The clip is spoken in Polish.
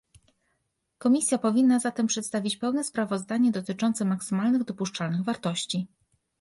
Komisja powinna zatem przedstawić pełne sprawozdanie dotyczące maksymalnych dopuszczalnych wartości